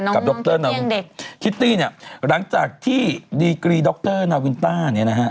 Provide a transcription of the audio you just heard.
น้องคิตตี้ยังเด็กคิตตี้เนี่ยหลังจากที่ดีกรีดรนาวินต้าเนี่ยนะฮะ